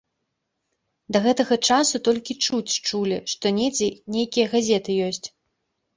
Да гэтага часу толькі чуць чулі, што недзе нейкія газеты ёсць.